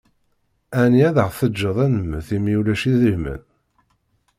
Ɛni ad ɣ-teǧǧeḍ an-nemmet imi ulac idrimen?